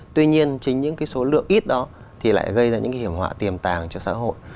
tuy nhiên chính những cái số lượng ít đó thì lại gây ra những cái hiểm họa tiềm tàng cho xã hội